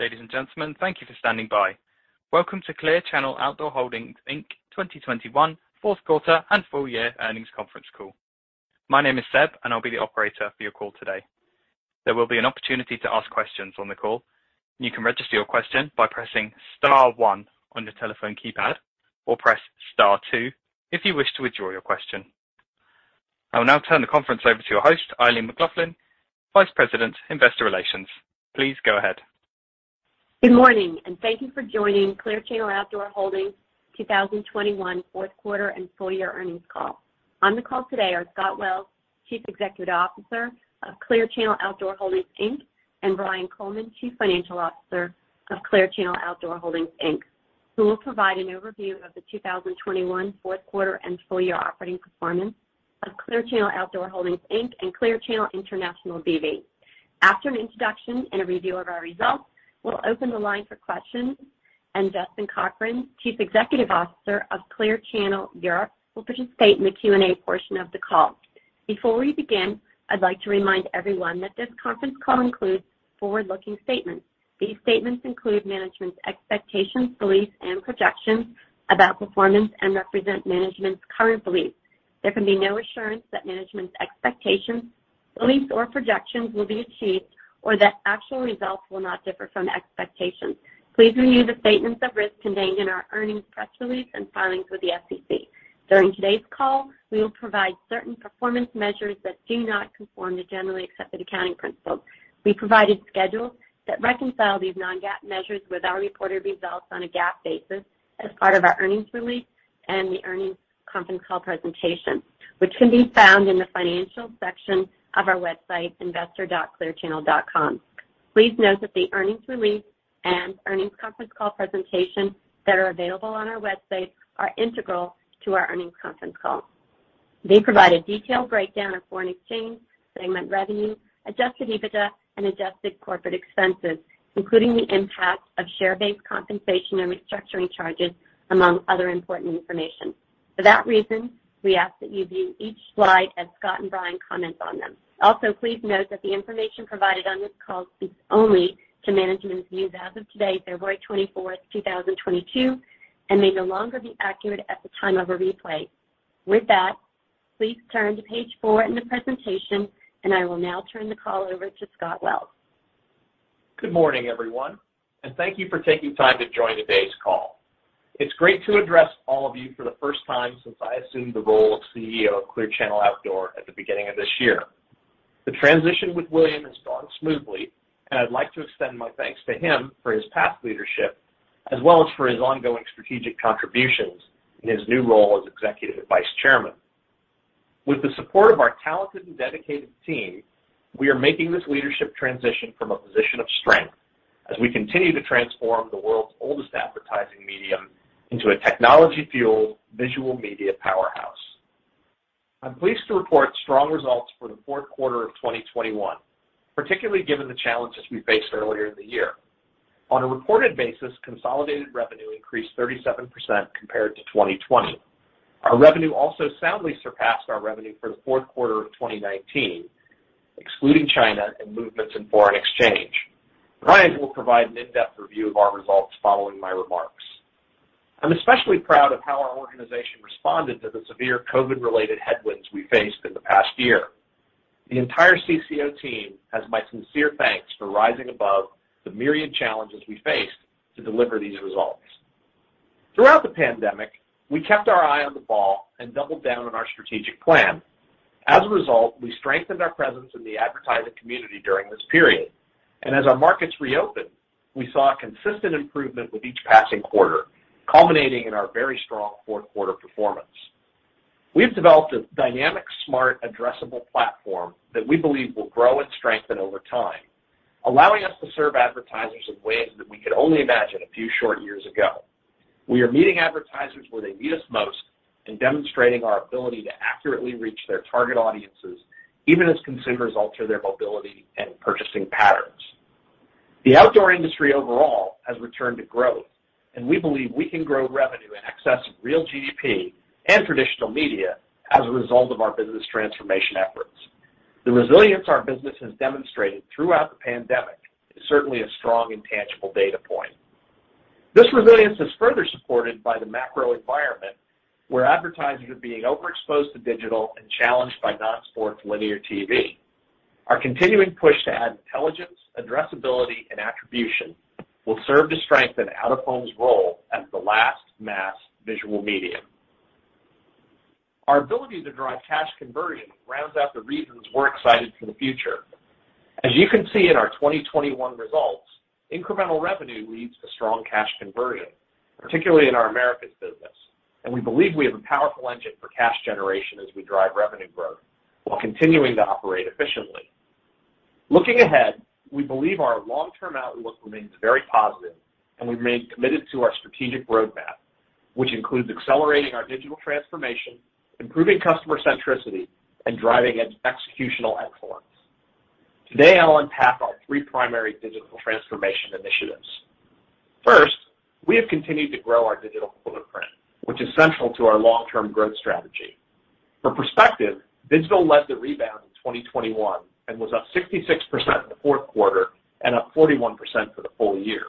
Ladies and gentlemen, thank you for standing by. Welcome to Clear Channel Outdoor Holdings, Inc. 2021 Q4 and full year earnings conference call. My name is Seb, and I'll be the operator for your call today. There will be an opportunity to ask questions on the call. You can register your question by pressing star one on your telephone keypad, or press star two if you wish to withdraw your question. I will now turn the conference over to your host, Eileen McLaughlin, Vice President, Investor Relations. Please go ahead. Good morning, and thank you for joining Clear Channel Outdoor Holdings 2021 Q4 and full year earnings call. On the call today are Scott Wells, Chief Executive Officer of Clear Channel Outdoor Holdings, Inc., and Brian Coleman, Chief Financial Officer of Clear Channel Outdoor Holdings, Inc., who will provide an overview of the 2021 Q4 and full year operating performance of Clear Channel Outdoor Holdings, Inc., and Clear Channel International B.V. After an introduction and a review of our results, we'll open the line for questions, and Justin Cochrane, Chief Executive Officer of Clear Channel Europe, will participate in the Q&A portion of the call. Before we begin, I'd like to remind everyone that this conference call includes forward-looking statements. These statements include management's expectations, beliefs, and projections about performance and represent management's current beliefs. There can be no assurance that management's expectations, beliefs, or projections will be achieved or that actual results will not differ from the expectations. Please review the statements of risk contained in our earnings press release and filings with the SEC. During today's call, we will provide certain performance measures that do not conform to generally accepted accounting principles. We provide a schedule that reconcile these non-GAAP measures with our reported results on a GAAP basis as part of our earnings release and the earnings conference call presentation, which can be found in the financial section of our website, investor.clearchannel.com. Please note that the earnings release and earnings conference call presentation that are available on our website are integral to our earnings conference call. They provide a detailed breakdown of foreign exchange, segment revenue, adjusted EBITDA, and adjusted corporate expenses, including the impact of share-based compensation and restructuring charges, among other important information. For that reason, we ask that you view each slide as Scott and Brian comment on them. Also, please note that the information provided on this call speaks only to management's views as of today, February 24th, 2022, and may no longer be accurate at the time of a replay. With that, please turn to page four in the presentation, and I will now turn the call over to Scott Wells. Good morning, everyone, and thank you for taking time to join today's call. It's great to address all of you for the first time since I assumed the role of CEO of Clear Channel Outdoor at the beginning of this year. The transition with William has gone smoothly, and I'd like to extend my thanks to him for his past leadership as well as for his ongoing strategic contributions in his new role as Executive Vice Chairman. With the support of our talented and dedicated team, we are making this leadership transition from a position of strength as we continue to transform the world's oldest advertising medium into a technology-fueled visual media powerhouse. I'm pleased to report strong results for the Q4 of 2021, particularly given the challenges we faced earlier in the year. On a reported basis, consolidated revenue increased 37% compared to 2020. Our revenue also soundly surpassed our revenue for the Q4 of 2019, excluding China and movements in foreign exchange. Brian will provide an in-depth review of our results following my remarks. I'm especially proud of how our organization responded to the severe COVID-related headwinds we faced in the past year. The entire CCO team has my sincere thanks for rising above the myriad challenges we faced to deliver these results. Throughout the pandemic, we kept our eye on the ball and doubled down on our strategic plan. As a result, we strengthened our presence in the advertising community during this period. Our markets reopened, we saw a consistent improvement with each passing quarter, culminating in our very strong Q4 performance. We've developed a dynamic, smart, addressable platform that we believe will grow and strengthen over time, allowing us to serve advertisers in ways that we could only imagine a few short years ago. We are meeting advertisers where they need us most and demonstrating our ability to accurately reach their target audiences, even as consumers alter their mobility and purchasing patterns. The outdoor industry overall has returned to growth, and we believe we can grow revenue in excess of real GDP and traditional media as a result of our business transformation efforts. The resilience our business has demonstrated throughout the pandemic is certainly a strong and tangible data point. This resilience is further supported by the macro environment, where advertisers are being overexposed to digital and challenged by non-sports linear TV. Our continuing push to add intelligence, addressability, and attribution will serve to strengthen out-of-home's role as the last mass visual medium. Our ability to drive cash conversion rounds out the reasons we're excited for the future. As you can see in our 2021 results, incremental revenue leads to strong cash conversion, particularly in our Americas business. We believe we have a powerful engine for cash generation as we drive revenue growth while continuing to operate efficiently. Looking ahead, we believe our long-term outlook remains very positive, and we remain committed to our strategic roadmap, which includes accelerating our digital transformation, improving customer centricity, and driving executional excellence. Today, I'll unpack our three primary digital transformation initiatives. 1st, we have continued to grow our digital footprint, which is central to our long-term growth strategy. For perspective, digital led the rebound in 2021 and was up 66% in the Q4 and up 41% for the full year.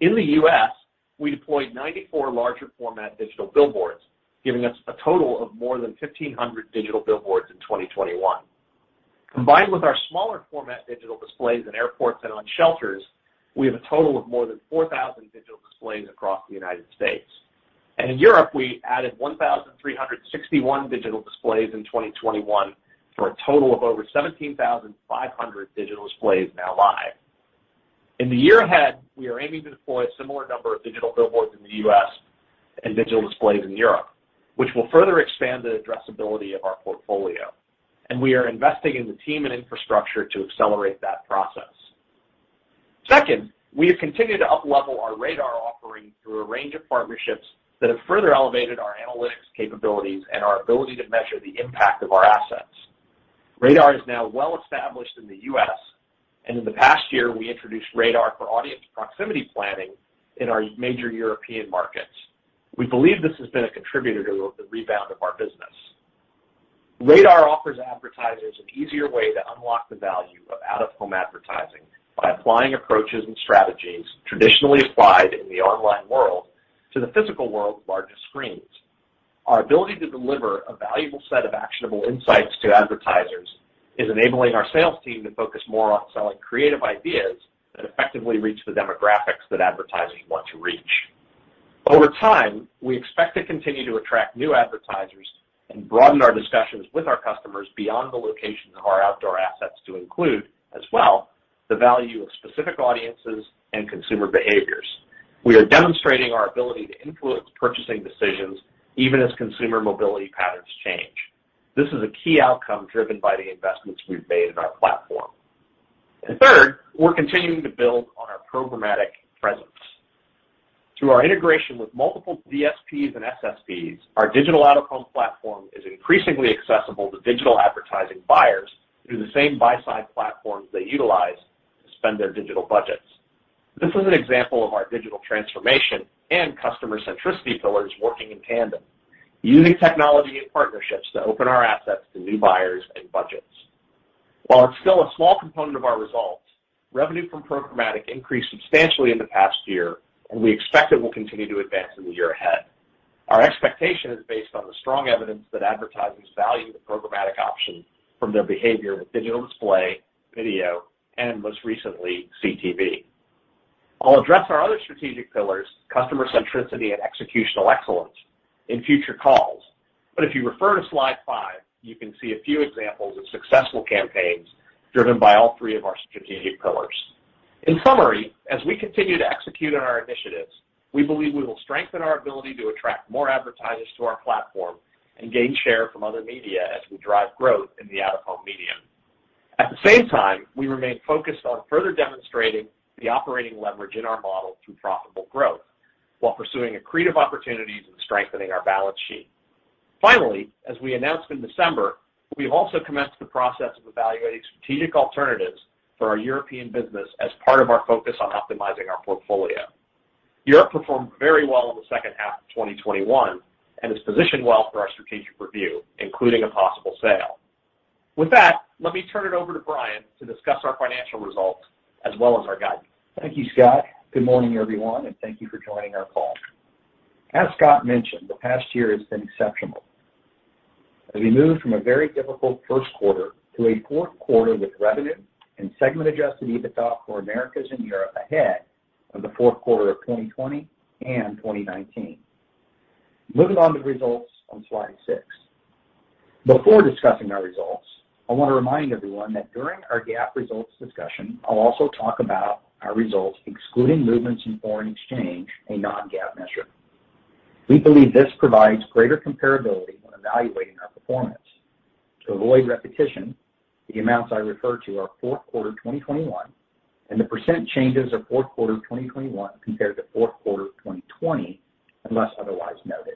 In the US, we deployed 94 larger format digital billboards, giving us a total of more than 1,500 digital billboards in 2021. Combined with our smaller format digital displays in airports and on shelters, we have a total of more than 4,000 digital displays across the United States. In Europe, we added 1,361 digital displays in 2021 for a total of over 17,500 digital displays now live. In the year ahead, we are aiming to deploy a similar number of digital billboards in the US and digital displays in Europe, which will further expand the addressability of our portfolio. We are investing in the team and infrastructure to accelerate that process. 2nd, we have continued to uplevel our RADAR offering through a range of partnerships that have further elevated our analytics capabilities and our ability to measure the impact of our assets. RADAR is now well established in the US, and in the past year, we introduced RADAR for audience proximity planning in our major European markets. We believe this has been a contributor to the rebound of our business. RADAR offers advertisers an easier way to unlock the value of out-of-home advertising by applying approaches and strategies traditionally applied in the online world to the physical world's largest screens. Our ability to deliver a valuable set of actionable insights to advertisers is enabling our sales team to focus more on selling creative ideas that effectively reach the demographics that advertisers want to reach. Over time, we expect to continue to attract new advertisers and broaden our discussions with our customers beyond the locations of our outdoor assets to include as well the value of specific audiences and consumer behaviors. We are demonstrating our ability to influence purchasing decisions even as consumer mobility patterns change. This is a key outcome driven by the investments we've made in our platform. 3rd, we're continuing to build on our programmatic presence. Through our integration with multiple DSPs and SSPs, our digital out-of-home platform is increasingly accessible to digital advertising buyers through the same buy-side platforms they utilize to spend their digital budgets. This is an example of our digital transformation and customer centricity pillars working in tandem, using technology and partnerships to open our assets to new buyers and budgets. While it's still a small component of our results, revenue from programmatic increased substantially in the past year, and we expect it will continue to advance in the year ahead. Our expectation is based on the strong evidence that advertisers value the programmatic option from their behavior with digital display, video, and most recently, CTV. I'll address our other strategic pillars, customer centricity and executional excellence, in future calls. But if you refer to slide five, you can see a few examples of successful campaigns driven by all three of our strategic pillars. In summary, as we continue to execute on our initiatives, we believe we will strengthen our ability to attract more advertisers to our platform and gain share from other media as we drive growth in the out-of-home medium. At the same time, we remain focused on further demonstrating the operating leverage in our model through profitable growth while pursuing accretive opportunities and strengthening our balance sheet. Finally, as we announced in December, we've also commenced the process of evaluating strategic alternatives for our European business as part of our focus on optimizing our portfolio. Europe performed very well in the second half of 2021 and is positioned well for our strategic review, including a possible sale. With that, let me turn it over to Brian to discuss our financial results as well as our guidance. Thank you, Scott. Good morning, everyone, and thank you for joining our call. As Scott mentioned, the past year has been exceptional as we move from a very difficult Q1 to a Q4 with revenue and segment adjusted EBITDA for Americas and Europe ahead of the Q4 of 2020 and 2019. Moving on to results on slide six. Before discussing our results, I wanna remind everyone that during our GAAP results discussion, I'll also talk about our results excluding movements in foreign exchange, a non-GAAP measure. We believe this provides greater comparability when evaluating our performance. To avoid repetition, the amounts I refer to are Q4 2021, and the percent changes are Q4 2021 compared to Q4 of 2020, unless otherwise noted.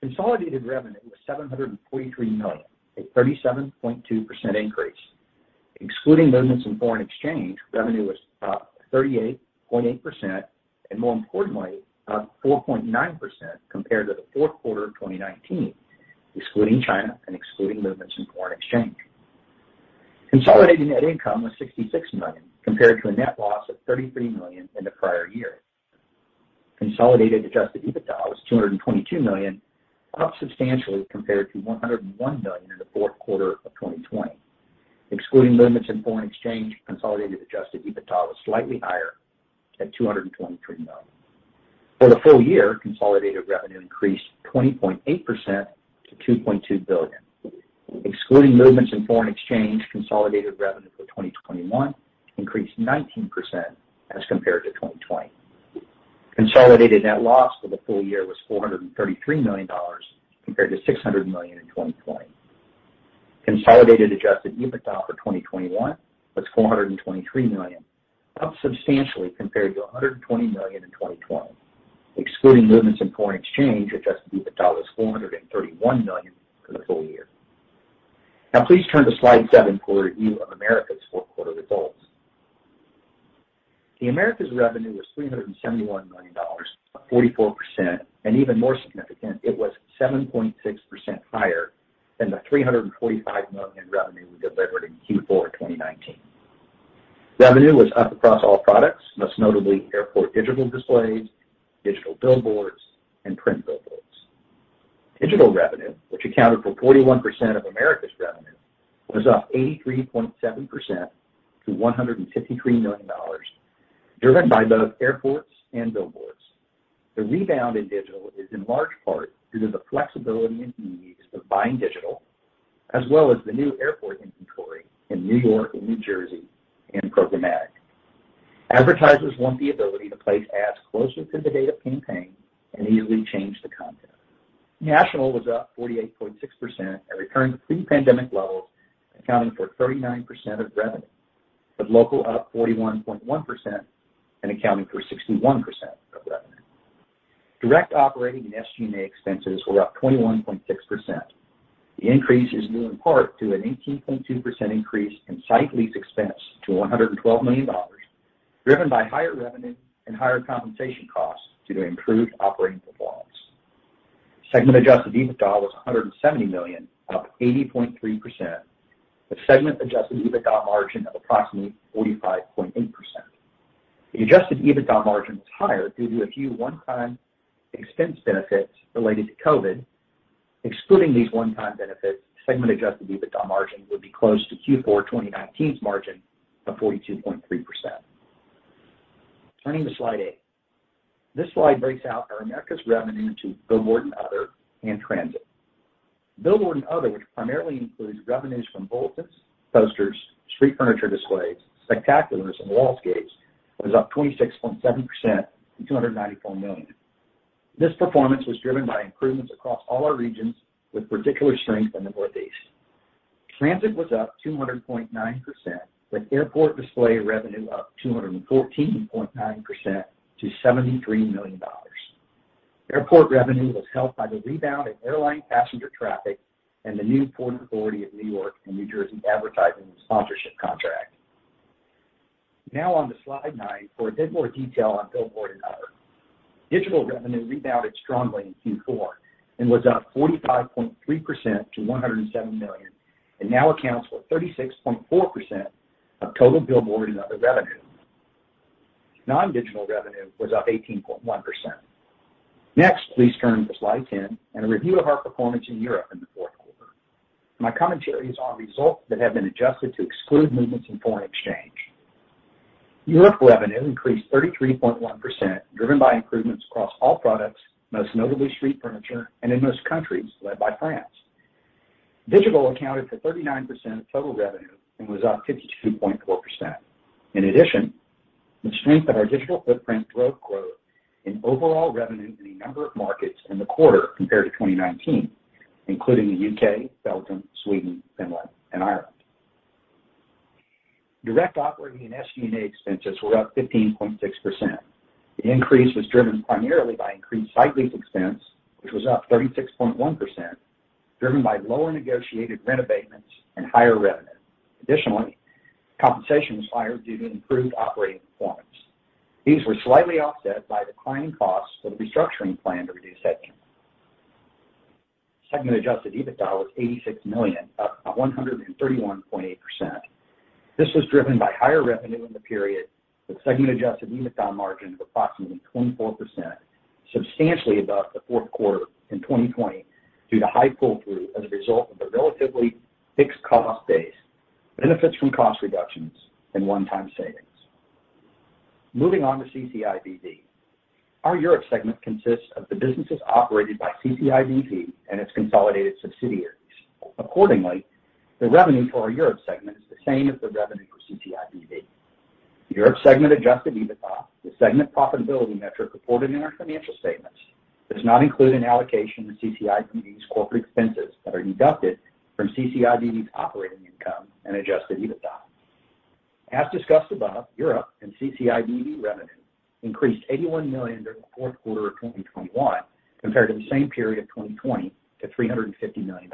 Consolidated revenue was $743 million, a 37.2% increase. Excluding movements in foreign exchange, revenue was up 38.8%, and more importantly, up 4.9% compared to the Q4 of 2019, excluding China and excluding movements in foreign exchange. Consolidated net income was $66 million, compared to a net loss of $33 million in the prior year. Consolidated adjusted EBITDA was $222 million, up substantially compared to $101 million in the Q4 of 2020. Excluding movements in foreign exchange, consolidated adjusted EBITDA was slightly higher at $223 million. For the full year, consolidated revenue increased 20.8% to $2.2 billion. Excluding movements in foreign exchange, consolidated revenue for 2021 increased 19% as compared to 2020. Consolidated net loss for the full year was $433 million compared to $600 million in 2020. Consolidated adjusted EBITDA for 2021 was $423 million, up substantially compared to $120 million in 2020. Excluding movements in foreign exchange, adjusted EBITDA was $431 million for the full year. Now please turn to slide seven, quarterly view of Americas Q4 results. The Americas revenue was $371 million, up 44%, and even more significant, it was 7.6% higher than the $345 million in revenue we delivered in Q4 2019. Revenue was up across all products, most notably airport digital displays, digital billboards, and print billboards. Digital revenue, which accounted for 41% of Americas revenue, was up 83.7% to $153 million, driven by both airports and billboards. The rebound in digital is in large part due to the flexibility and ease of buying digital, as well as the new airport inventory in New York and New Jersey in programmatic. Advertisers want the ability to place ads closer to the date of campaign and easily change the content. National was up 48.6% and returning to pre-pandemic levels, accounting for 39% of revenue, with local up 41.1% and accounting for 61% of revenue. Direct operating and SG&A expenses were up 21.6%. The increase is due in part to an 18.2% increase in site lease expense to $112 million, driven by higher revenue and higher compensation costs due to improved operating performance. Segment adjusted EBITDA was $170 million, up 80.3%, with segment adjusted EBITDA margin of approximately 45.8%. The adjusted EBITDA margin was higher due to a few one-time expense benefits related to COVID. Excluding these one-time benefits, segment adjusted EBITDA margin would be close to Q4 2019's margin of 42.3%. Turning to slide eight. This slide breaks out our Americas revenue into billboard and other in transit. Billboard and other, which primarily includes revenues from bulletin, posters, street furniture displays, spectaculars, and wallscapes, was up 26.7% to $294 million. This performance was driven by improvements across all our regions, with particular strength in the Northeast. Transit was up 200.9%, with airport display revenue up 214.9% to $73 million. Airport revenue was helped by the rebound in airline passenger traffic and the new Port Authority of New York and New Jersey advertising and sponsorship contract. Now on to slide nine for a bit more detail on billboard and other. Digital revenue rebounded strongly in Q4 and was up 45.3% to $107 million, and now accounts for 36.4% of total billboard and other revenue. Non-digital revenue was up 18.1%. Next, please turn to slide 10 and a review of our performance in Europe in the Q4. My commentary is on results that have been adjusted to exclude movements in foreign exchange. Europe revenue increased 33.1%, driven by improvements across all products, most notably street furniture, and in most countries led by France. Digital accounted for 39% of total revenue and was up 52.4%. In addition, the strength of our digital footprint drove growth in overall revenue in a number of markets in the quarter compared to 2019, including the UK, Belgium, Sweden, Finland, and Ireland. Direct operating and SG&A expenses were up 15.6%. The increase was driven primarily by increased site lease expense, which was up 36.1%, driven by lower negotiated rent abatements and higher revenue. Additionally, compensation was higher due to improved operating performance. These were slightly offset by declining costs for the restructuring plan to reduce headcount. Segment adjusted EBITDA was $86 million, up 131.8%. This was driven by higher revenue in the period, with segment adjusted EBITDA margin of approximately 24%, substantially above the Q4 in 2020 due to high pull-through as a result of a relatively fixed cost base, benefits from cost reductions and one-time savings. Moving on to CCIBV. Our Europe segment consists of the businesses operated by CCIBV and its consolidated subsidiaries. Accordingly, the revenue for our Europe segment is the same as the revenue for CCIBV. Europe segment adjusted EBITDA, the segment profitability metric reported in our financial statements, does not include an allocation of CCIBV's corporate expenses that are deducted from CCIBV's operating income and adjusted EBITDA. As discussed above, Europe and CCIBV revenue increased $81 million during the Q4 of 2021 compared to the same period of 2020 to $350 million.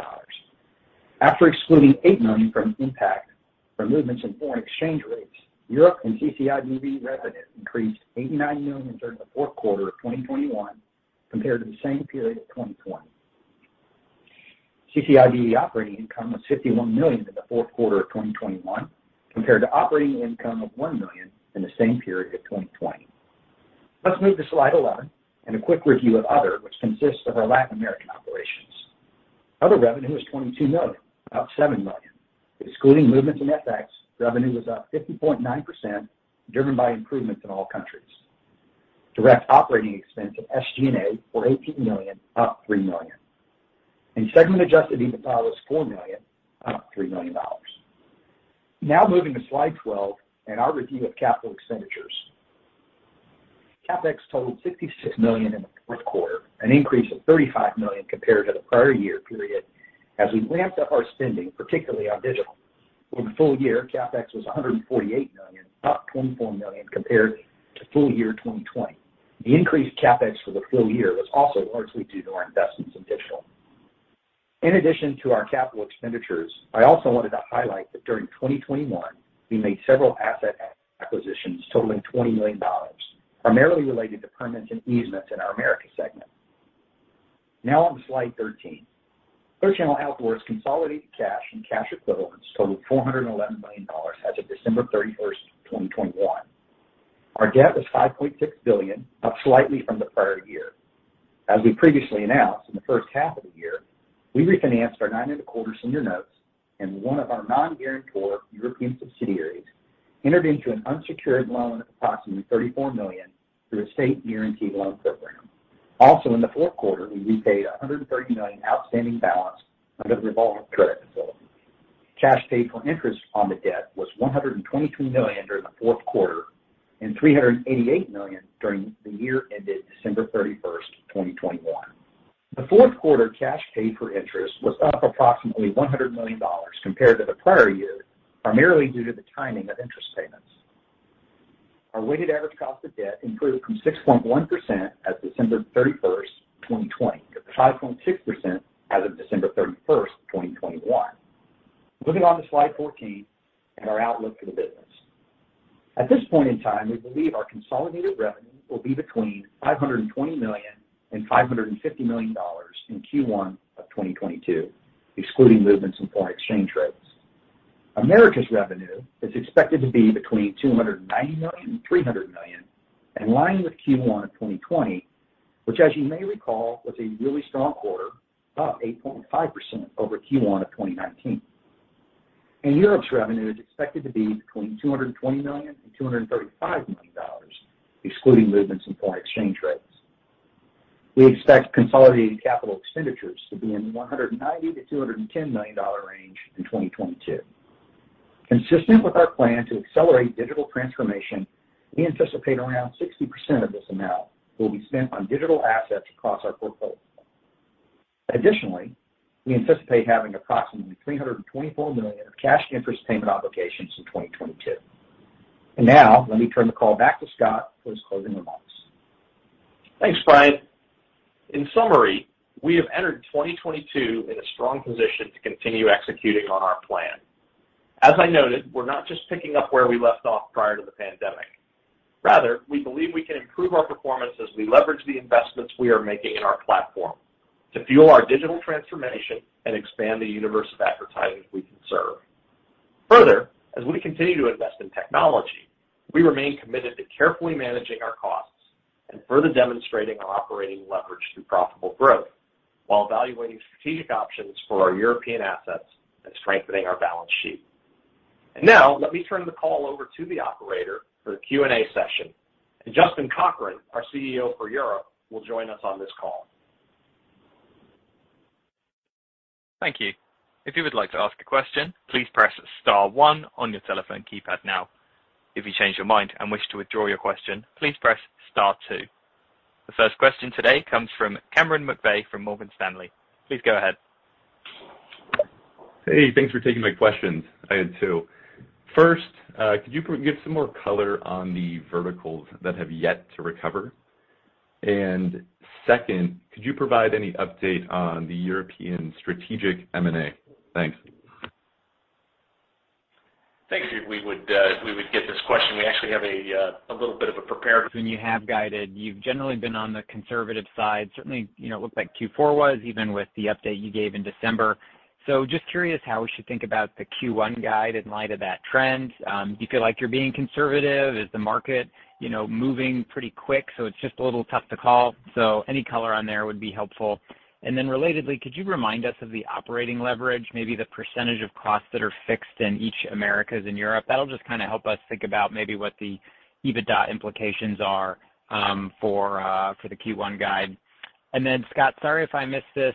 After excluding $8 million impact from movements in foreign exchange rates, Europe and CCIBV revenue increased $89 million during the Q4 of 2021 compared to the same period of 2020. CCIBV operating income was $51 million in the Q4 of 2021 compared to operating income of $1 million in the same period of 2020. Let's move to slide 11 and a quick review of other, which consists of our Latin American operations. Other revenue was $22 million, up $7 million. Excluding movements in FX, revenue was up 50.9%, driven by improvements in all countries. Direct operating expenses and SG&A were $18 million, up $3 million. Segment adjusted EBITDA was $4 million, up $3 million. Now moving to slide 12 and our review of capital expenditures. CapEx totaled $56 million in the Q4, an increase of $35 million compared to the prior year period as we ramped up our spending, particularly on digital. In the full year, CapEx was $148 million, up $24 million compared to full year 2022. The increased CapEx for the full year was also largely due to our investments in digital. In addition to our capital expenditures, I also wanted to highlight that during 2021, we made several asset acquisitions totaling $20 million, primarily related to permits and easements in our Americas segment. Now on to slide 13. Clear Channel Outdoor's consolidated cash and cash equivalents totaled $411 million as of December 31st, 2021. Our debt was $5.6 billion, up slightly from the prior year. As we previously announced, in the first half of the year, we refinanced our 9.25 senior notes, and one of our non-guarantor European subsidiaries entered into an unsecured loan of approximately $34 million through the State Guarantee Loan Program. In the Q4, we repaid $130 million outstanding balance under the revolving credit facility. Cash paid for interest on the debt was $122 million during the Q4 and $388 million during the year ended December 31st, 2021. The Q4 cash paid for interest was up approximately $100 million compared to the prior year, primarily due to the timing of interest payments. Our weighted average cost of debt improved from 6.1% at December 31st, 2020, to 5.6% as of December 31st, 2021. Looking on to slide 14 and our outlook for the business. At this point in time, we believe our consolidated revenue will be between $520 million and $550 million in Q1 of 2022, excluding movements in foreign exchange rates. Americas revenue is expected to be between $290 million and $300 million, in line with Q1 of 2020, which as you may recall, was a really strong quarter, up 8.5% over Q1 of 2019. Europe's revenue is expected to be between $220 million and $235 million, excluding movements in foreign exchange rates. We expect consolidated capital expenditures to be in the $190-$210 million range in 2022. Consistent with our plan to accelerate digital transformation, we anticipate around 60% of this amount will be spent on digital assets across our portfolio. Additionally, we anticipate having approximately $324 million of cash interest payment obligations in 2022. Now, let me turn the call back to Scott for his closing remarks. Thanks, Brian. In summary, we have entered 2022 in a strong position to continue executing on our plan. As I noted, we're not just picking up where we left off prior to the pandemic. Rather, we believe we can improve our performance as we leverage the investments we are making in our platform to fuel our digital transformation and expand the universe of advertisers we can serve. Further, as we continue to invest in technology, we remain committed to carefully managing our costs and further demonstrating our operating leverage through profitable growth while evaluating strategic options for our European assets and strengthening our balance sheet. Now, let me turn the call over to the operator for the Q&A session. Justin Cochrane, our CEO for Europe, will join us on this call. Thank you. If you would like to ask a question, please press star one on your telephone keypad now. If you change your mind and wish to withdraw your question, please press star two. The first question today comes from Cameron McVeigh from Morgan Stanley. Please go ahead. Hey, thanks for taking my questions. I had two. 1st, could you give some more color on the verticals that have yet to recover? 2nd, could you provide any update on the European strategic M&A? Thanks. Thank you. We would get this question. We actually have a little bit of a prepared When you have guided, you've generally been on the conservative side. Certainly, you know, it looked like Q4 was, even with the update you gave in December. Just curious how we should think about the Q1 guide in light of that trend. Do you feel like you're being conservative? Is the market, you know, moving pretty quick, so it's just a little tough to call? Any color on there would be helpful. Relatedly, could you remind us of the operating leverage, maybe the percentage of costs that are fixed in each Americas and Europe? That'll just kind of help us think about maybe what the EBITDA implications are for the Q1 guide. Scott, sorry if I missed this,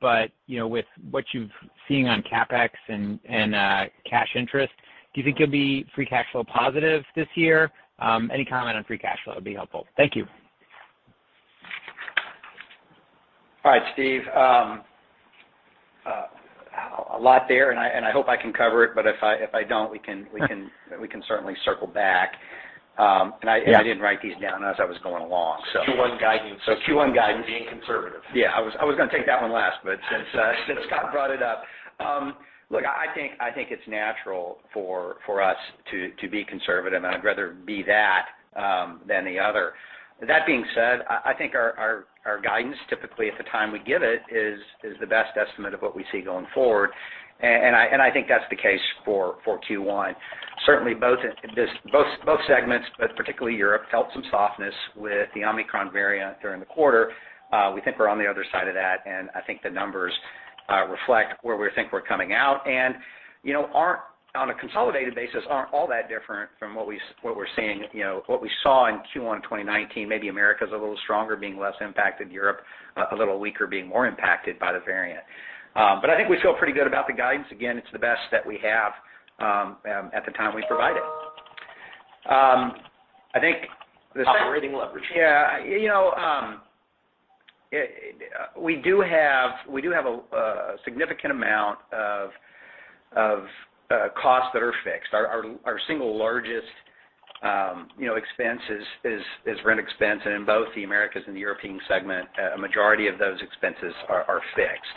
but you know, with what you've seen on CapEx and cash interest, do you think you'll be free cash flow positive this year? Any comment on free cash flow would be helpful. Thank you. All right, Steve. A lot there, and I hope I can cover it, but if I don't, we can certainly circle back. I- Yeah. I didn't write these down as I was going along, so. Q1 guidance. Q1 guidance. Being conservative. Yeah. I was gonna take that one last, but since Scott brought it up. Look, I think it's natural for us to be conservative, and I'd rather be that than the other. That being said, I think our guidance, typically at the time we give it, is the best estimate of what we see going forward. I think that's the case for Q1. Certainly both segments, but particularly Europe, felt some softness with the Omicron variant during the quarter. We think we're on the other side of that, and I think the numbers reflect where we think we're coming out. You know, our, on a consolidated basis, aren't all that different from what we're seeing, you know, what we saw in Q1 in 2019. Maybe America's a little stronger being less impacted. Europe, a little weaker, being more impacted by the variant. But I think we feel pretty good about the guidance. Again, it's the best that we have, at the time we provide it. Um, I think- Operating leverage. Yeah. You know, we do have a significant amount of costs that are fixed. Our single largest, you know, expense is rent expense. In both the Americas and the European segment, a majority of those expenses are fixed.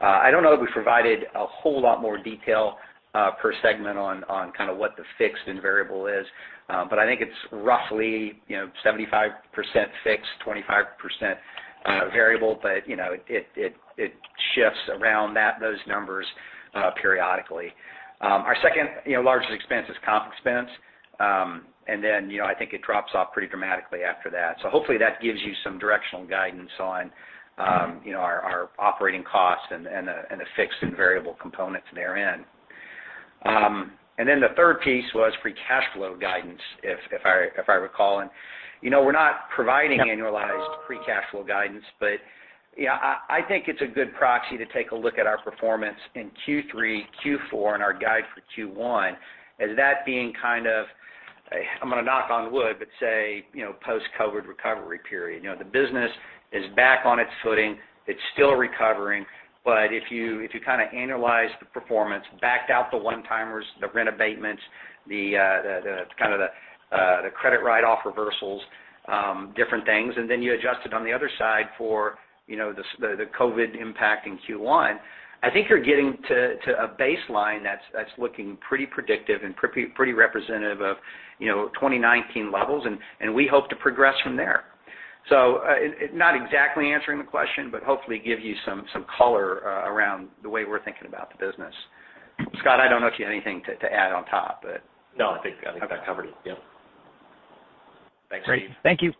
I don't know that we provided a whole lot more detail per segment on kind of what the fixed and variable is. I think it's roughly, you know, 75% fixed, 25% variable. You know, it shifts around those numbers periodically. Our 2nd, you know, largest expense is comp expense. You know, I think it drops off pretty dramatically after that. Hopefully that gives you some directional guidance on, you know, our operating costs and the fixed and variable components therein. Then the 3rd piece was free cash flow guidance, if I recall. You know, we're not providing annualized free cash flow guidance. You know, I think it's a good proxy to take a look at our performance in Q3, Q4, and our guide for Q1 as that being kind of a post-COVID recovery period. I'm gonna knock on wood, but say, you know, the business is back on its footing. It's still recovering. If you kind of annualize the performance, back out the one-timers, the rent abatements, the kind of credit write-off reversals, different things, and then you adjust it on the other side for, you know, the COVID impact in Q1, I think you're getting to a baseline that's looking pretty predictive and pretty representative of, you know, 2019 levels. We hope to progress from there. It's not exactly answering the question, but hopefully give you some color around the way we're thinking about the business. Scott, I don't know if you have anything to add on top, but No, I think that covered it. Yep. Thanks, Steve. Great. Thank you.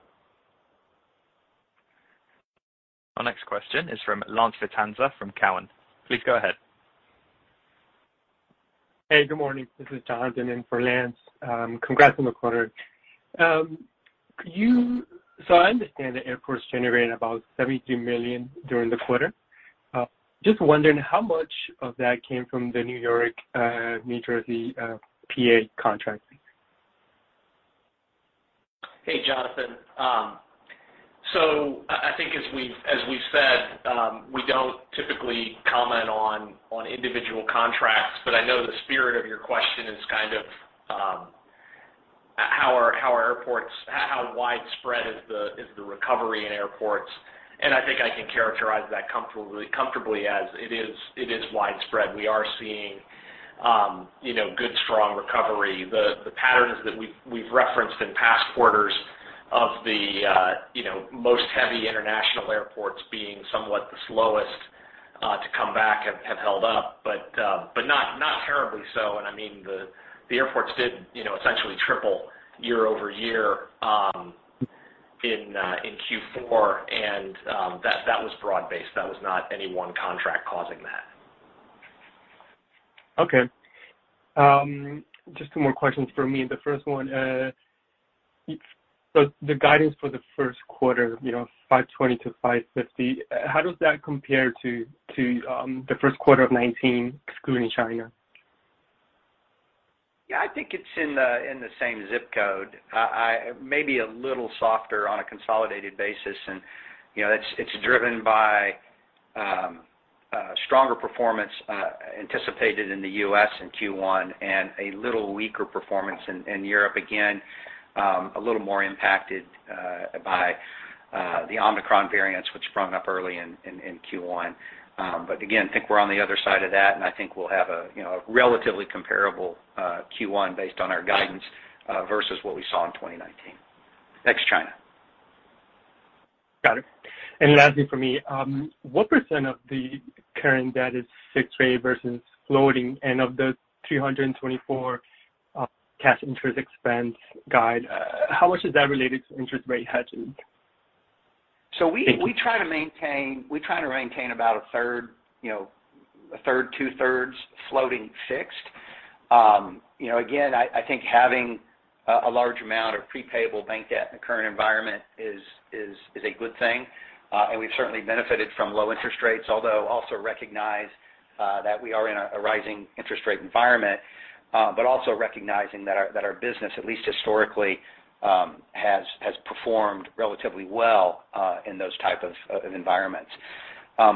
Our next question is from Lance Vitanza from Cowen. Please go ahead. Hey, good morning. This is Jonathan in for Lance. Congrats on the quarter. I understand the airports generated about $72 million during the quarter. Just wondering how much of that came from the New York, New Jersey, PA contracts? Hey, Jonathan. I think as we've said, we don't typically comment on individual contracts. I know the spirit of your question is kind of how widespread is the recovery in airports. I think I can characterize that comfortably as it is widespread. We are seeing, you know, good, strong recovery. The patterns that we've referenced in past quarters of the, you know, most heavy international airports being somewhat the slowest to come back have held up. But not terribly so. I mean, the airports did, you know, essentially triple year-over-year in Q4. That was broad-based. That was not any one contract causing that. Okay. Just two more questions from me. The first one, so the guidance for the Q1, you know, $520-$550, how does that compare to the Q1 of 2019, excluding China? Yeah. I think it's in the same zip code. Maybe a little softer on a consolidated basis. You know, it's driven by stronger performance anticipated in the US in Q1 and a little weaker performance in Europe. Again, a little more impacted by the Omicron variants which sprung up early in Q1. I think we're on the other side of that, and I think we'll have a you know, a relatively comparable Q1 based on our guidance versus what we saw in 2019, ex China. Got it. Lastly from me, what % of the current debt is fixed rate versus floating? Of the $324 cash interest expense guide, how much is that related to interest rate hedging? So we- Thank you. We try to maintain about a third fixed, two-thirds floating. You know, again, I think having a large amount of pre-payable bank debt in the current environment is a good thing. We've certainly benefited from low interest rates, although we also recognize that we are in a rising interest rate environment, but also recognizing that our business, at least historically, has performed relatively well in those type of environments.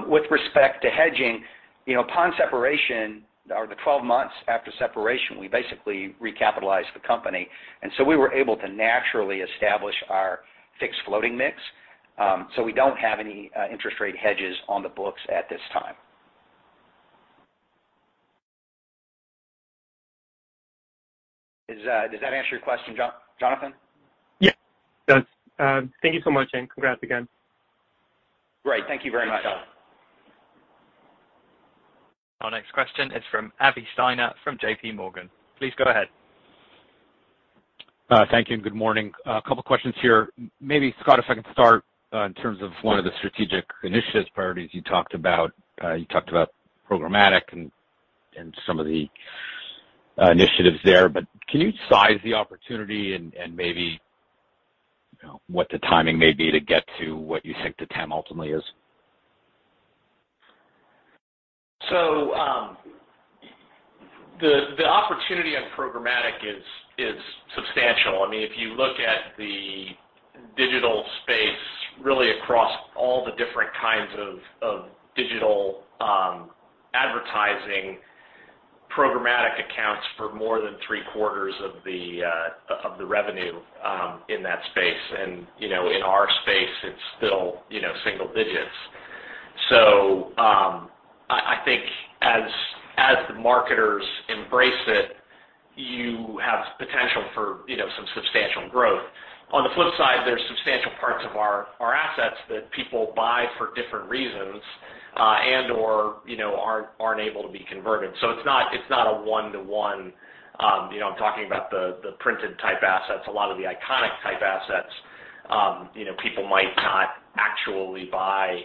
With respect to hedging, you know, upon separation or the 12 months after separation, we basically recapitalized the company, and we were able to naturally establish our fixed floating mix. We don't have any interest rate hedges on the books at this time. Does that answer your question, Jonathan? Yeah, it does. Thank you so much, and congrats again. Great. Thank you very much, Jonathan. Our next question is from Avi Steiner from JP Morgan. Please go ahead. Thank you and good morning. A couple questions here. Maybe, Scott, if I could start, in terms of one of the strategic initiatives priorities you talked about. You talked about programmatic and some of the initiatives there, but can you size the opportunity and maybe, you know, what the timing may be to get to what you think the TAM ultimately is? The opportunity on programmatic is substantial. I mean, if you look at the digital space, really across all the different kinds of digital advertising, programmatic accounts for more than Q3 of the revenue in that space. You know, in our space, it's still you know, single digits. I think as the marketers embrace it, you have potential for you know, some substantial growth. On the flip side, there's substantial parts of our assets that people buy for different reasons and/or you know, aren't able to be converted. It's not a one-to-one. You know, I'm talking about the printed type assets, a lot of the iconic type assets. You know, people might not actually buy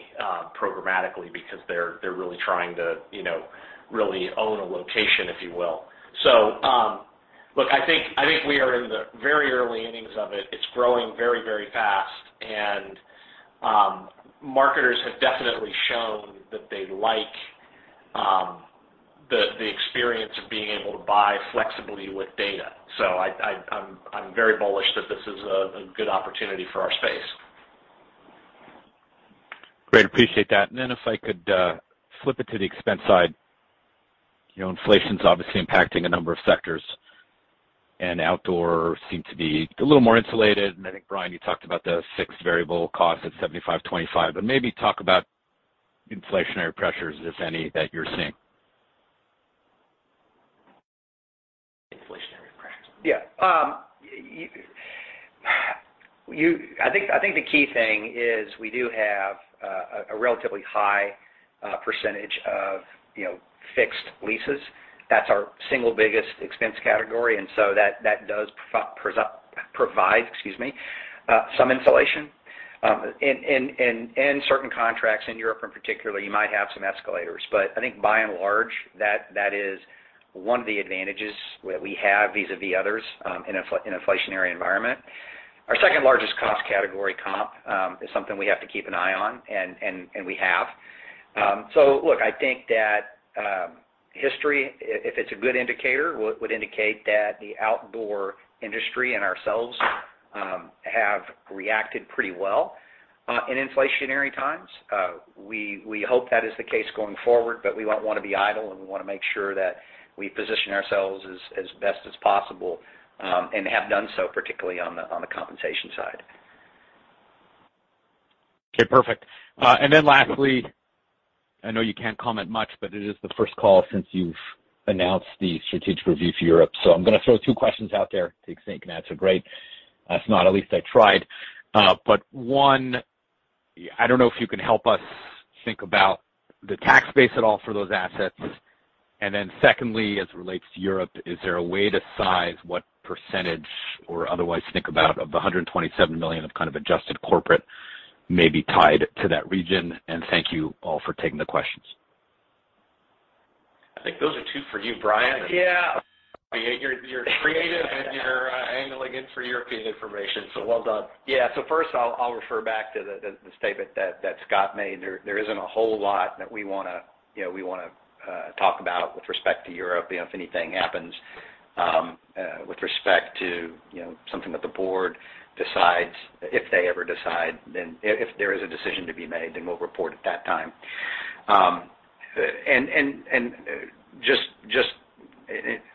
programmatically because they're really trying to really own a location, if you will. Look, I think we are in the very early innings of it. It's growing very fast. Marketers have definitely shown that they like the experience of being able to buy flexibly with data. I'm very bullish that this is a good opportunity for our space. Great. Appreciate that. If I could flip it to the expense side. You know, inflation's obviously impacting a number of sectors, and outdoor seem to be a little more insulated. I think, Brian, you talked about the fixed variable cost at 75-25. Maybe talk about inflationary pressures, if any, that you're seeing. Inflationary pressures. Yeah. I think the key thing is we do have a relatively high percentage of, you know, fixed leases. That's our single biggest expense category, and that does provide some insulation. In certain contracts in Europe in particular, you might have some escalators, but I think by and large, that is one of the advantages we have vis-a-vis others in an inflationary environment. Our second-largest cost category, compensation, is something we have to keep an eye on, and we have. Look, I think that history, if it's a good indicator, would indicate that the outdoor industry and ourselves have reacted pretty well in inflationary times. We hope that is the case going forward, but we won't wanna be idle, and we wanna make sure that we position ourselves as best as possible, and have done so, particularly on the compensation side. Okay, perfect. Lastly, I know you can't comment much, but it is the 1st call since you've announced the strategic review for Europe. I'm gonna throw two questions out there to see if you can answer. Great. If not, at least I tried. One, I don't know if you can help us think about the tax base at all for those assets. Secondly, as it relates to Europe, is there a way to size what percentage or otherwise think about of the $127 million of kind of adjusted corporate may be tied to that region? Thank you all for taking the questions. I think those are two for you, Brian. Yeah. You're creative and you're angling in for European information, so well done. First I'll refer back to the statement that Scott made. There isn't a whole lot that we wanna, you know, talk about with respect to Europe. You know, if anything happens with respect to, you know, something that the board decides, if they ever decide, then if there is a decision to be made, then we'll report at that time.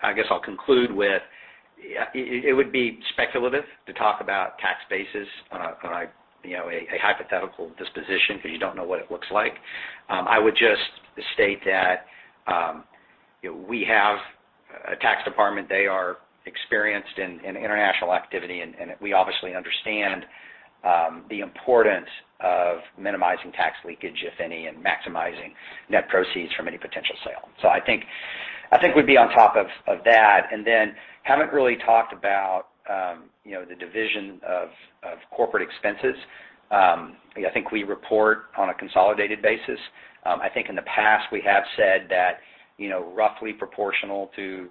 I guess I'll conclude with it would be speculative to talk about tax bases on a, you know, a hypothetical disposition because you don't know what it looks like. I would just state that, you know, we have a tax department. They are experienced in international activity, and we obviously understand the importance of minimizing tax leakage, if any, and maximizing net proceeds from any potential sale. I think we'd be on top of that. We haven't really talked about, you know, the division of corporate expenses. I think we report on a consolidated basis. I think in the past we have said that, you know, roughly proportional to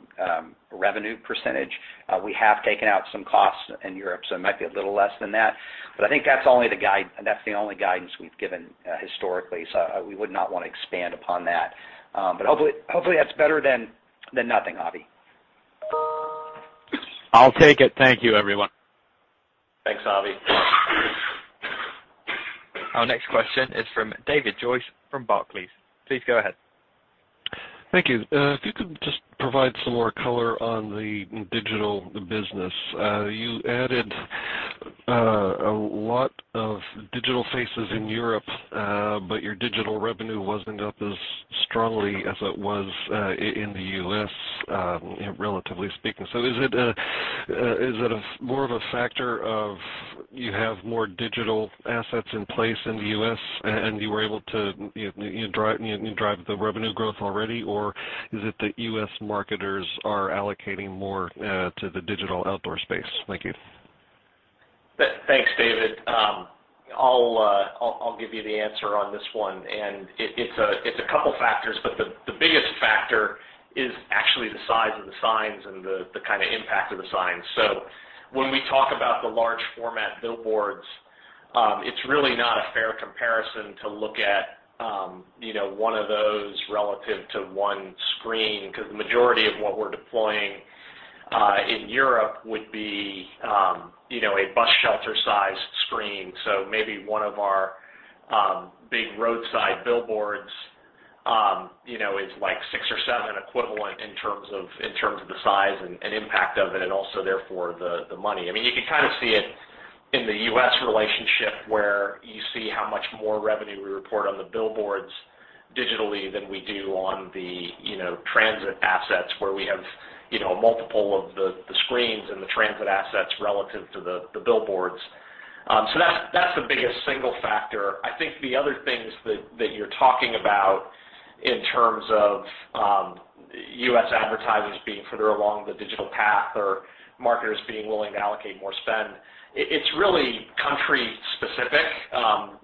revenue percentage, we have taken out some costs in Europe, so it might be a little less than that. I think that's the only guidance we've given historically. We would not wanna expand upon that. Hopefully that's better than nothing, Avi. I'll take it. Thank you, everyone. Thanks, Avi. Our next question is from David Joyce from Barclays. Please go ahead. Thank you. If you could just provide some more color on the digital business. You added a lot of digital faces in Europe, but your digital revenue wasn't up as strongly as it was in the US, you know, relatively speaking. Is it more of a factor of you have more digital assets in place in the US and you were able to drive the revenue growth already, or is it that US marketers are allocating more to the digital outdoor space? Thank you. Thanks, David. I'll give you the answer on this one. It's a couple factors, but the biggest factor is actually the size of the signs and the kind of impact of the signs. When we talk about the large format billboards, it's really not a fair comparison to look at, you know, one of those relative to one screen, 'cause the majority of what we're deploying in Europe would be, you know, a bus shelter-sized screen. Maybe one of our big roadside billboards, you know, is like six or seven equivalent in terms of the size and impact of it and also therefore the money. I mean, you can kind of see it in the US relationship where you see how much more revenue we report on the billboards digitally than we do on the, you know, transit assets where we have, you know, multiple of the screens and the transit assets relative to the billboards. So that's the biggest single factor. I think the other things that you're talking about in terms of US advertisers being further along the digital path or marketers being willing to allocate more spend, it's really country specific.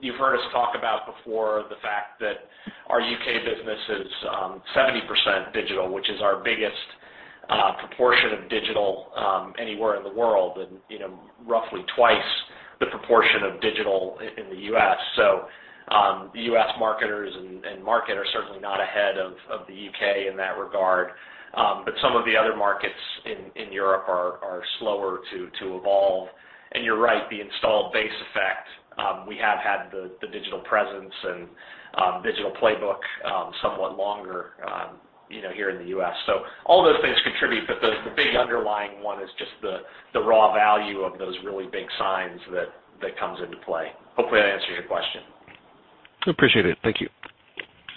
You've heard us talk about before the fact that our UK business is 70% digital, which is our biggest proportion of digital anywhere in the world and, you know, roughly twice the proportion of digital in the US. The US marketers and market are certainly not ahead of the UK in that regard. Some of the other markets in Europe are slower to evolve. You're right, the installed base effect, we have had the digital presence and digital playbook somewhat longer, you know, here in the US. All those things contribute, but the big underlying one is just the raw value of those really big signs that comes into play. Hopefully, that answers your question. Appreciate it. Thank you.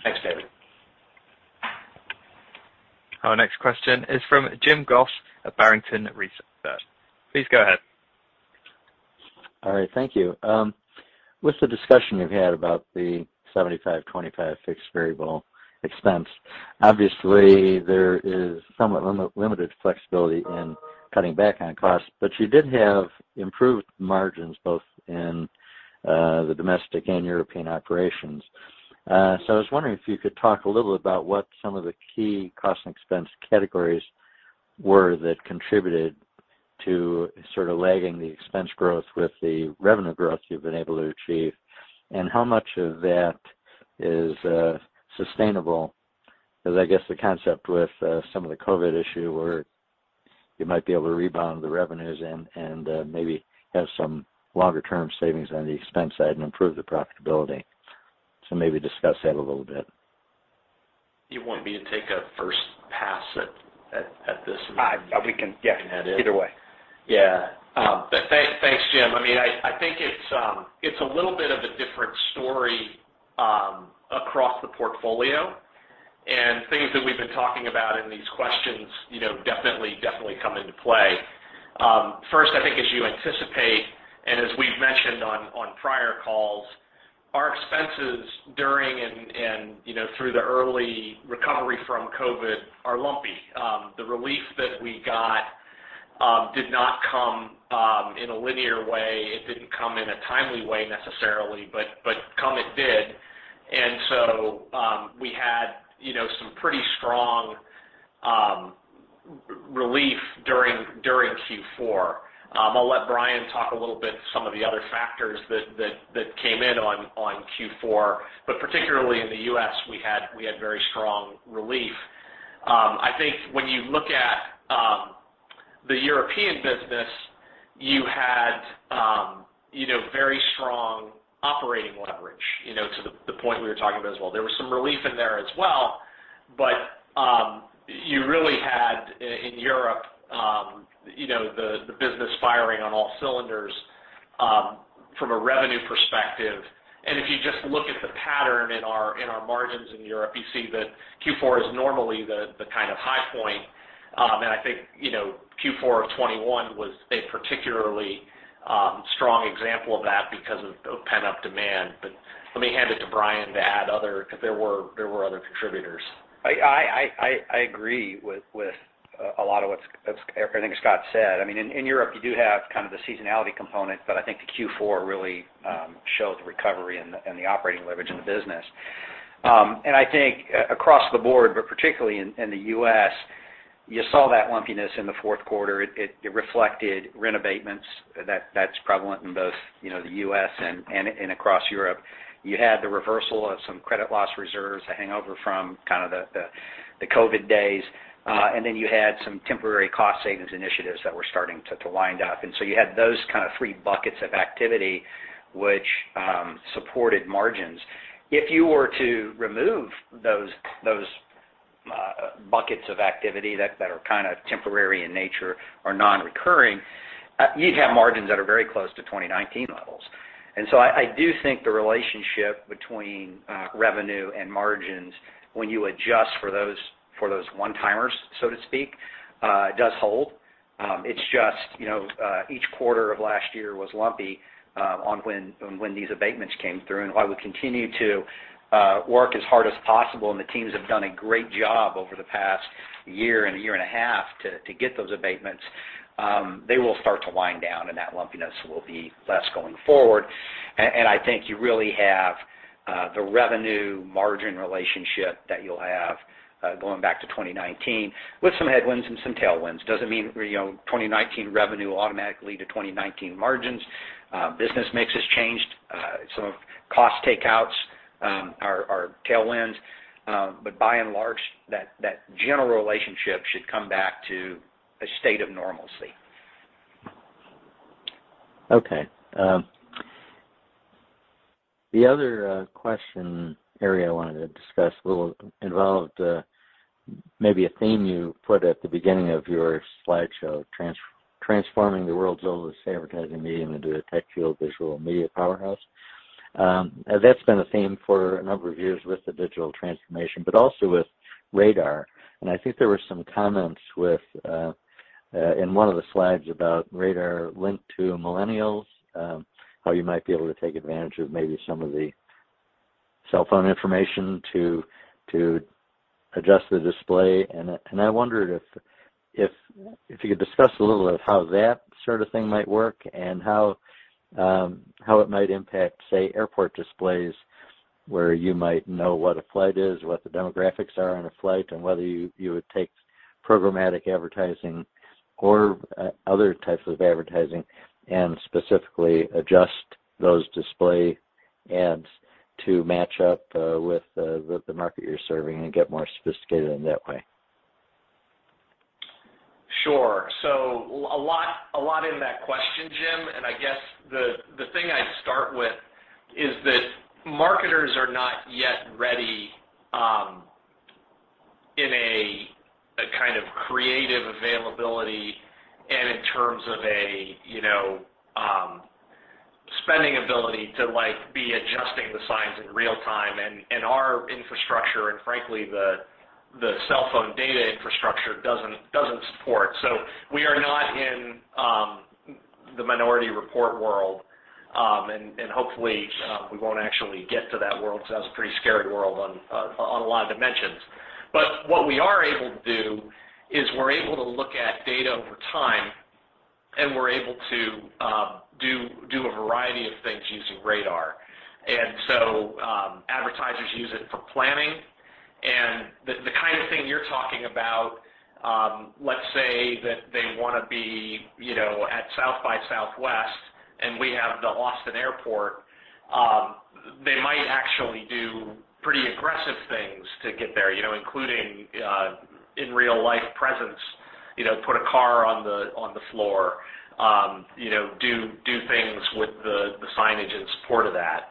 Thanks, David. Our next question is from Jim Goss at Barrington Research. Please go ahead. All right. Thank you. With the discussion you've had about the 75, 25 fixed variable expense, obviously, there is somewhat limited flexibility in cutting back on costs. You did have improved margins both in the domestic and European operations. I was wondering if you could talk a little about what some of the key cost and expense categories were that contributed to sort of lagging the expense growth with the revenue growth you've been able to achieve, and how much of that is sustainable? 'Cause I guess the concept with some of the COVID issue where you might be able to rebound the revenues and maybe have some longer term savings on the expense side and improve the profitability. Maybe discuss that a little bit. You want me to take a first pass at this? We can, yeah. Either way. Yeah. Thanks. Thanks, Jim. I mean, I think it's a little bit of a different story across the portfolio, and things that we've been talking about in these questions, you know, definitely come into play. 1st, I think as you anticipate, and as we've mentioned on prior calls, our expenses during and through the early recovery from COVID are lumpy. The relief that we got did not come in a linear way. It didn't come in a timely way necessarily, but come it did. We had some pretty strong relief during Q4. I'll let Brian talk a little bit about some of the other factors that came in on Q4, but particularly in the US, we had very strong relief. I think when you look at the European business, you had you know, very strong operating leverage, you know, to the point we were talking about as well. There was some relief in there as well, but you really had in Europe you know, the business firing on all cylinders from a revenue perspective. If you just look at the pattern in our margins in Europe, you see that Q4 is normally the kind of high point. I think you know, Q4 of 2021 was a particularly strong example of that because of pent-up demand. Let me hand it to Brian to add other, 'cause there were other contributors. I agree with a lot of what's everything that Scott said. I mean, in Europe, you do have kind of the seasonality component, but I think the Q4 really showed the recovery and the operating leverage in the business. I think across the board, but particularly in the US, you saw that lumpiness in the Q4. It reflected rent abatements that's prevalent in both, you know, the US and across Europe. You had the reversal of some credit loss reserves, a hangover from kind of the COVID days. You had some temporary cost savings initiatives that were starting to wind up. You had those kind of three buckets of activity which supported margins. If you were to remove those buckets of activity that are kind of temporary in nature or non-recurring, you'd have margins that are very close to 2019 levels. I do think the relationship between revenue and margins when you adjust for those one-timers, so to speak, does hold. It's just, you know, each quarter of last year was lumpy on when these abatements came through. While we continue to work as hard as possible, and the teams have done a great job over the past year and a year and a half to get those abatements, they will start to wind down, and that lumpiness will be less going forward. I think you really have the revenue margin relationship that you'll have going back to 2019 with some headwinds and some tailwinds. Doesn't mean, you know, 2019 revenue automatically to 2019 margins. Business mix has changed. Some cost takeouts are tailwinds. But by and large, that general relationship should come back to a state of normalcy. Okay. The other question area I wanted to discuss a little involved maybe a theme you put at the beginning of your slideshow, transforming the world's oldest advertising medium into a tech-fueled visual media powerhouse. That's been a theme for a number of years with the digital transformation, but also with RADAR. I think there were some comments in one of the slides about RADAR linked to millennials, how you might be able to take advantage of maybe some of the cell phone information to adjust the display. I wondered if you could discuss a little bit how that sort of thing might work and how it might impact, say, airport displays, where you might know what a flight is, what the demographics are on a flight, and whether you would take programmatic advertising or other types of advertising and specifically adjust those display ads to match up with the market you're serving and get more sophisticated in that way. Sure. A lot in that question, Jim. I guess the thing I'd start with is that marketers are not yet ready, in a kind of creative availability and in terms of a, you know, spending ability to, like, be adjusting the signs in real time. Our infrastructure and frankly, the cell phone data infrastructure doesn't support. We are not in the Minority Report world, and hopefully, we won't actually get to that world, 'cause that's a pretty scary world on a lot of dimensions. What we are able to do is we're able to look at data over time, and we're able to do a variety of things using RADAR. Advertisers use it for planning. The kind of thing you're talking about, let's say that they wanna be, you know, at South by Southwest, and we have the Austin Airport, they might actually do pretty aggressive things to get there, you know, including in real life presence, you know, put a car on the floor, you know, do things with the signage in support of that.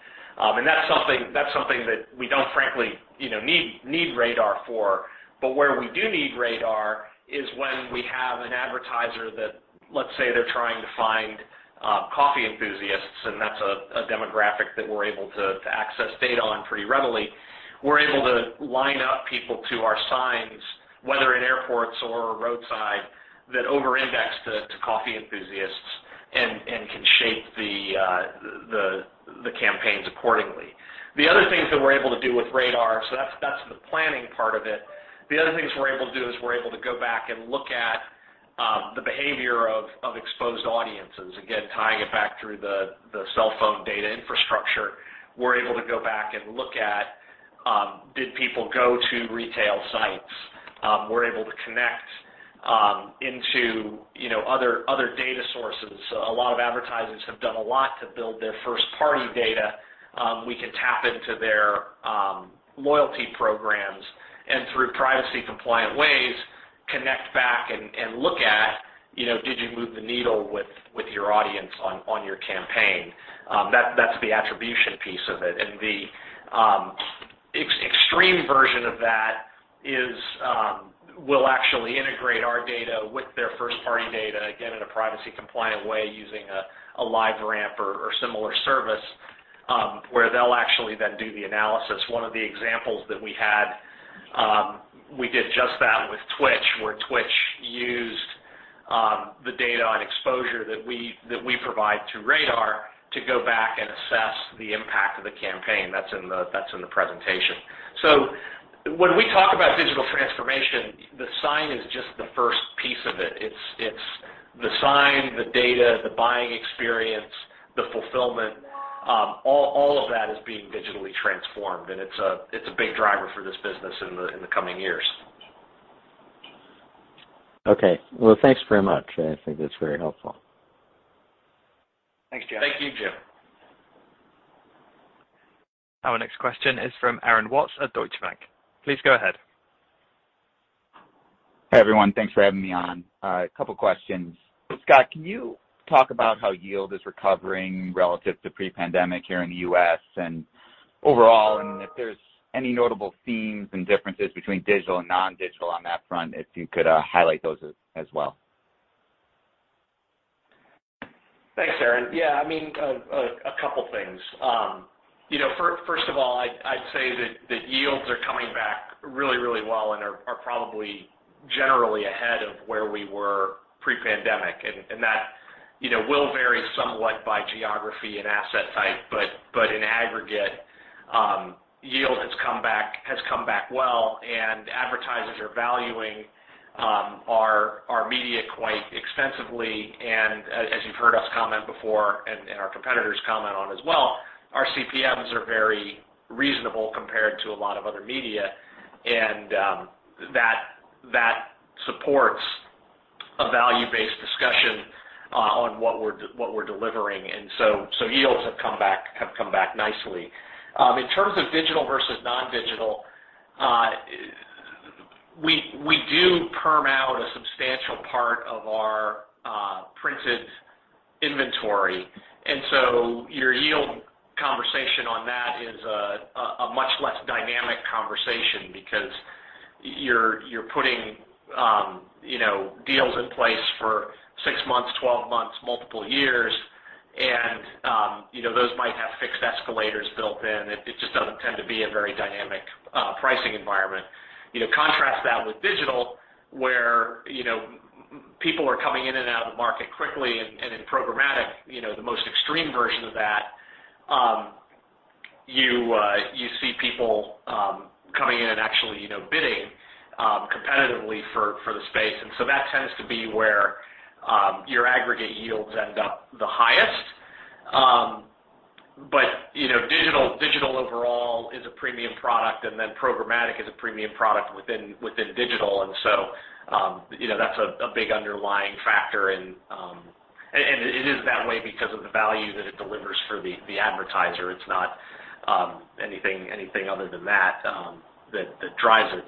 That's something that we don't frankly, you know, need RADAR for. But where we do need RADAR is when we have an advertiser that, let's say, they're trying to find coffee enthusiasts, and that's a demographic that we're able to access data on pretty readily. We're able to line up people to our signs, whether in airports or roadside, that over-index to coffee enthusiasts and can shape the campaigns accordingly. The other things that we're able to do with RADAR. That's the planning part of it. The other things we're able to do is we're able to go back and look at the behavior of exposed audiences, again tying it back through the cell phone data infrastructure. We're able to go back and look at did people go to retail sites. We're able to connect into you know other data sources. A lot of advertisers have done a lot to build their first-party data. We can tap into their loyalty programs, and through privacy-compliant ways, connect back and look at, you know, did you move the needle with your audience on your campaign? That's the attribution piece of it. The extreme version of that is, we'll actually integrate our data with their first-party data, again, in a privacy-compliant way, using a LiveRamp or similar service, where they'll actually then do the analysis. One of the examples that we had, we did just that with Twitch, where Twitch used the data on exposure that we provide through RADAR to go back and assess the impact of the campaign. That's in the presentation. When we talk about digital transformation, the sign is just the first piece of it. It's the sign, the data, the buying experience, the fulfillment, all of that is being digitally transformed, and it's a big driver for this business in the coming years. Okay. Well, thanks very much. I think that's very helpful. Thanks, Jim. Thank you, Jim. Our next question is from Aaron Watts at Deutsche Bank. Please go ahead. Hi, everyone. Thanks for having me on. A couple questions. Scott, can you talk about how yield is recovering relative to pre-pandemic here in the US and overall? If there's any notable themes and differences between digital and non-digital on that front, if you could highlight those as well. Thanks, Aaron. Yeah, I mean, a couple things. You know, first of all, I'd say that yields are coming back really well and are probably generally ahead of where we were pre-pandemic. That, you know, will vary somewhat by geography and asset type. But in aggregate, yield has come back well, and advertisers are valuing our media quite extensively. As you've heard us comment before and our competitors comment on as well, our CPMs are very reasonable compared to a lot of other media. That supports a value-based discussion on what we're delivering. Yields have come back nicely. In terms of digital versus non-digital, we do farm out a substantial part of our printed inventory. Your yield conversation on that is a much less dynamic conversation because you're putting deals in place for six months, 12 months, multiple years. Those might have fixed escalators built in. It just doesn't tend to be a very dynamic pricing environment. Contrast that with digital, where people are coming in and out of the market quickly. In programmatic, you know, the most extreme version of that, you see people coming in and actually, you know, bidding competitively for the space. That tends to be where your aggregate yields end up the highest. You know, digital overall is a premium product, and then programmatic is a premium product within digital. You know, that's a big underlying factor in. It is that way because of the value that it delivers for the advertiser. It's not anything other than that that drives it.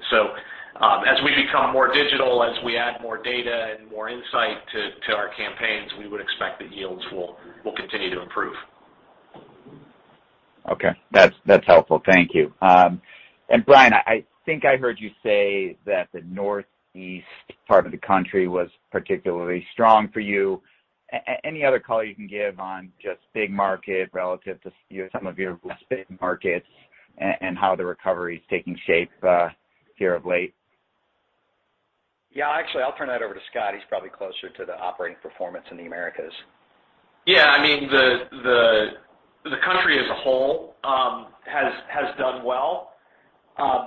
As we become more digital, as we add more data and more insight to our campaigns, we would expect that yields will continue to improve. Okay. That's helpful. Thank you. Brian, I think I heard you say that the Northeast part of the country was particularly strong for you. Any other color you can give on just big market relative to, you know, some of your less big markets and how the recovery is taking shape here of late? Yeah. Actually, I'll turn that over to Scott. He's probably closer to the operating performance in the Americas. Yeah. I mean, the country as a whole has done well.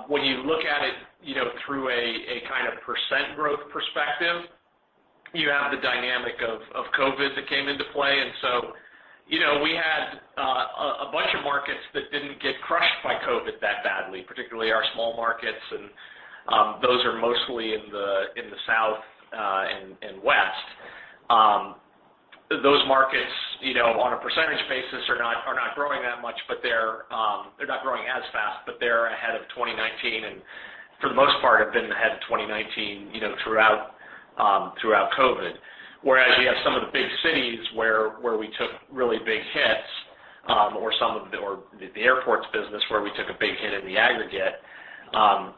When you look at it, you know, through a kind of percent growth perspective, you have the dynamic of COVID that came into play. You know, we had a bunch of markets that didn't get crushed by COVID that badly, particularly our small markets, and those are mostly in the South and West. Those markets, you know, on a percentage basis are not growing that much, but they're not growing as fast. They're ahead of 2019 and for the most part have been ahead of 2019, you know, throughout COVID. Where you have some of the big cities where we took really big hits, or the airports business where we took a big hit in the aggregate,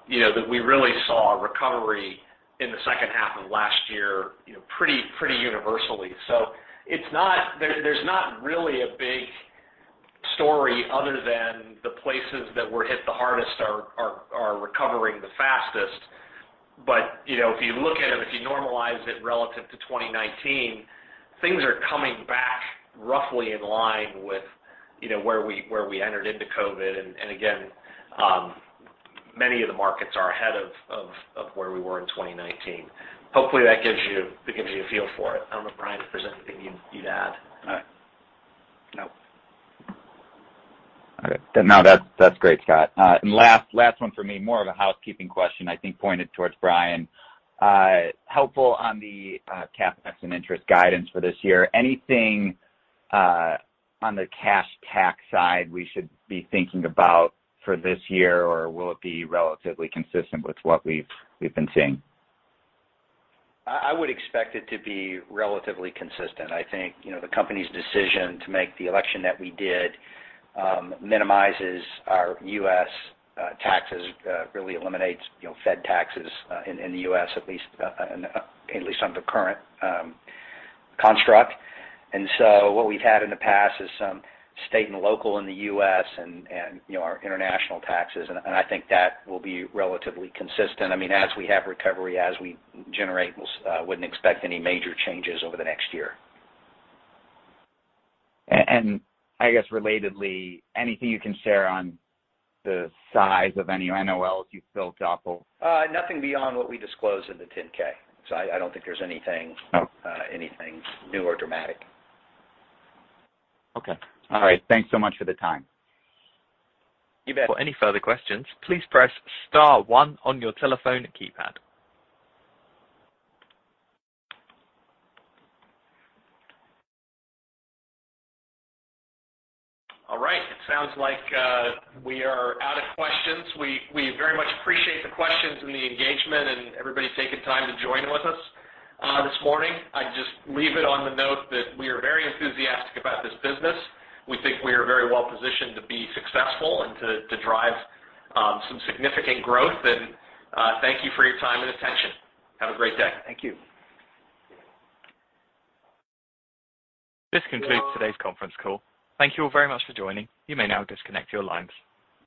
you know, that we really saw a recovery in the second half of last year, you know, pretty universally. It's not. There's not really a big story other than the places that were hit the hardest are recovering the fastest. You know, if you look at it, if you normalize it relative to 2019, things are coming back roughly in line with, you know, where we entered into COVID. Again, many of the markets are ahead of where we were in 2019. Hopefully that gives you a feel for it. I don't know, Brian, if there's anything you'd add. No. Okay. No, that's great, Scott. Last one for me, more of a housekeeping question, I think pointed towards Brian. Helpful on the CapEx and interest guidance for this year. Anything on the cash tax side we should be thinking about for this year? Or will it be relatively consistent with what we've been seeing? I would expect it to be relatively consistent. I think, you know, the company's decision to make the election that we did minimizes our US taxes, really eliminates, you know, fed taxes in the US at least, and at least under current construct. What we've had in the past is some state and local in the US and, you know, our international taxes, and I think that will be relatively consistent. I mean, as we have recovery, as we generate, wouldn't expect any major changes over the next year. I guess relatedly, anything you can share on the size of any NOLs you've built up or? Nothing beyond what we disclosed in the 10-K. I don't think there's anything- Oh. anything new or dramatic. Okay. All right. Thanks so much for the time. You bet. For any further questions, please press star one on your telephone keypad. All right. It sounds like we are out of questions. We very much appreciate the questions and the engagement and everybody taking time to join with us this morning. I just leave it on the note that we are very enthusiastic about this business. We think we are very well positioned to be successful and to drive some significant growth. Thank you for your time and attention. Have a great day. Thank you. This concludes today's conference call. Thank you all very much for joining. You may now disconnect your lines.